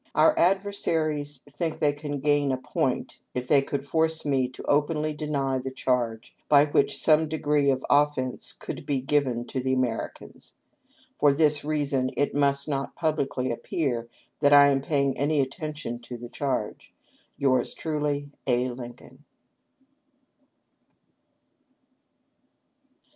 Our adversaries think they can gain a point if they could force me to openly deny the charge, by which some degree of offence would be given to the Americans. For this reason it must not publicly appear that I am paying any attention to the charge, " Yours truly, "A. Lincoln."